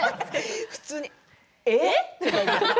普通に、ええ！って。